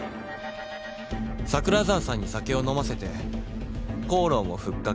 桜沢さんに酒を飲ませて口論を吹っ掛け